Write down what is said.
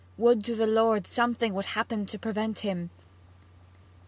Would to the Lord something would happen to prevent him!'